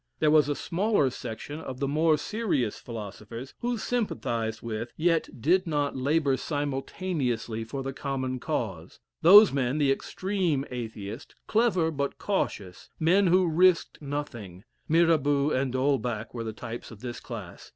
There was a smaller section of the more serious philosophers who sympathized with, yet did not labor simultaneously for the common cause those men, the extreme Atheists clever but cautious men who risked nothing Mirabeau and D'Holbach were the types of this class.